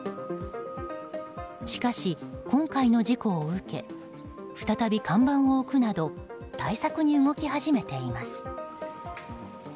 しかし、今回の事故を受け再び看板を置くなど対策に動き始めています。